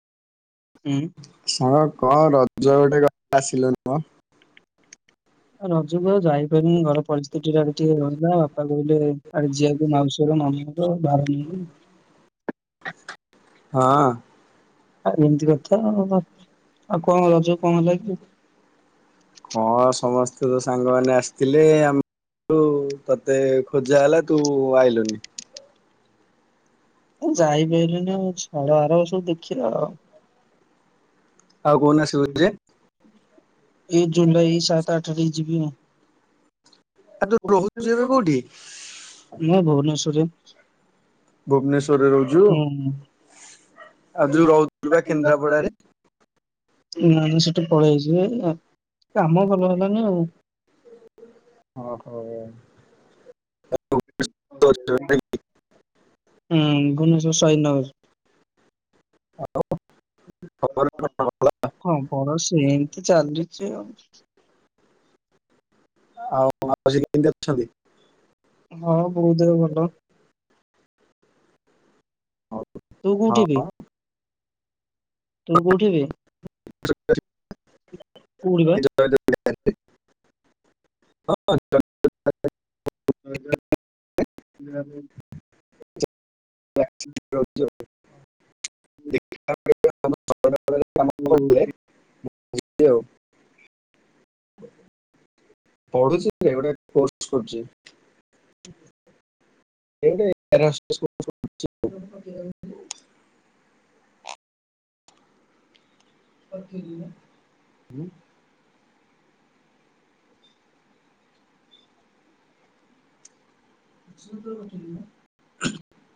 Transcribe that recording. ହୁଁ ସାଙ୍ଗ କଣ ରଜ ଗୋଟେରେ ଆସିଲୁନିମ? ର ଯେ ମୁଁ ଆଉ ଯାଇପାରୁନି ଘର ପରିସ୍ଥିତି ଟିକେ ଆଡେ ଟିକେ ରହିଲା ବାପା କହିଲେ ଆଡେ ଝିଅକୁ ମାଉସୀଘର ମାମୁଁଘର ଭାର ନେଇଯିବୁ। ହଁ। ଆଉ ଏମତି କଥା ଆଉ ଭାବୁଚି ହଁ ସମସ୍ତେ ସବୁ ସାଙ୍ଗମାନେ ଆସିଥିଲେ ଆମ-କୁ ତତେ ଖୋଜା ହେଲା ତୁ ଆଇଲୁନି। ଯାଇପାଇଲିନି ଆଉ ଛାଡ ଆର ବର୍ଷକୂ ଦେଖିବା। ଆଉ କୋଉ ଦିନ ଆସିବୁ ଯେ? ଏଇ ଜୁଲାଇ ସାତ ଆଠରେ ଯିବି। ଆଉ ତୁ ରହୁଛୁ ଏବେ କୋଉଠି? ମୁଁ ଭୁବନେଶ୍ୱରରେ ଭୁବନେଶ ରରେ ରହୁଚୁ। ହୁଁ। ଆଉ ଯୋଉ ରହୁଥୁଲୁ ପା କେନ୍ଦ୍ରାପଡାରେ? ନାଇଁ ସେଠୁ ପଳେଇ ଆସିଲି ଆଉ। କାମ ଭଲ ହେଲାନି ଆଉ। ଓ ହୋ। ହୁଁ [unintelligible] ହାଲୋ। ହଁ ବର ସେ ଏମିତି ଚାଲଲିଛି ଆଉ। ଆଉ ମାଉସୀ କେମିତି ଅଛନ୍ତି? ହଁ ବହୁତ ଭଲ। ତୁ କୋଉଠିି ଏବେ? ହଁ। ତୁ କୋଉଠିି ଏବେ? [inaudible] କୋଉଠି [inaudible] [inaudible] [unintelligible] [unintelligible] [inaudible] [inaudible] ଆଉ। ପଢୁଛି ଗୋଟେ କୋର୍ସ [inaudible] [unintelligible] [inaudible]